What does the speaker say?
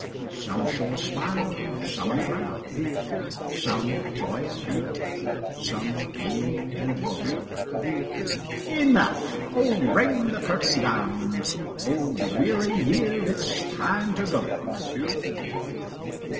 Some show a smile and some a frown; Some joy and hope, some pain and woe: Enough! Oh, ring the curtain down! Old weary year! it's time to go.